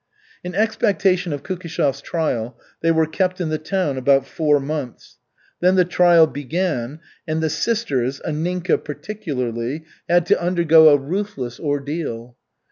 In expectation of Kukishev's trial, they were kept in the town about four months. Then the trial began, and the sisters, Anninka particularly, had to undergo a ruthless ordeal.